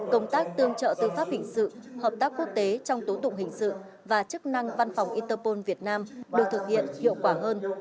công tác tương trợ tư pháp hình sự hợp tác quốc tế trong tố tụng hình sự và chức năng văn phòng interpol việt nam được thực hiện hiệu quả hơn